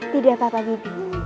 tidak apa apa bibi